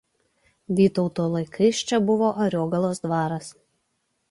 Vytauto laikais čia buvo Ariogalos dvaras.